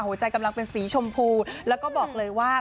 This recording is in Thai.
กำลังเป็นสีชมพูแล้วก็บอกเลยว่า